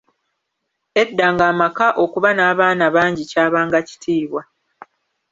Edda ng'amaka okuba n'abaana bangi kyabanga kitiibwa.